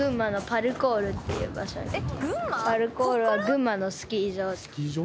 パルコールは群馬のスキー場。